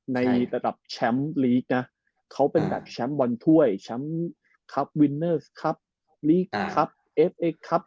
ในระดับแชมป์ลีกนะเขาเป็นแบบแชมป์บอลถ้วยแชมป์ครับวินเนอร์สครับลีกครับเอฟเอ็กครับ